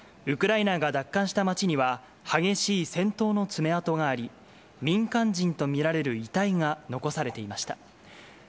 ウクライナが奪還した街には、激しい戦闘の爪痕があり、民間人と見られる遺体が残されていました。